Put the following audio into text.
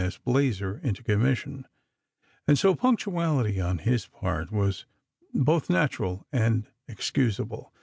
S. Blazer into commission, and so punctuality on his part was both natural and excusable.